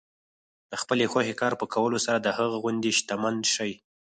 د خپلې خوښې کار په کولو سره د هغه غوندې شتمن شئ.